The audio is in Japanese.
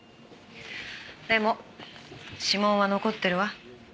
でも指紋は残ってるわ。